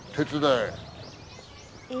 え。